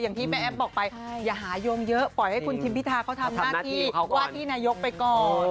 อย่างที่แม่แอ๊บบอกไปอย่าหายงเยอะปล่อยให้คุณทิมพิธาเขาทำหน้าที่ว่าที่นายกไปก่อน